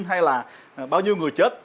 hay là bao nhiêu người chết